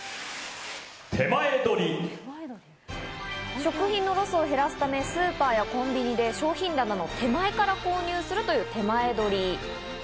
食品のロスを減らすため、スーパーやコンビニで商品棚の手前から購入するという、てまえどり。